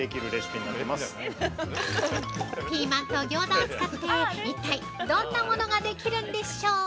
◆ピーマンとギョーザを使って一体どんなものができるんでしょうか。